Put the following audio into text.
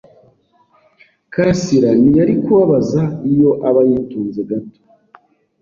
karasira ntiyari kubabaza iyo aba yitonze gato.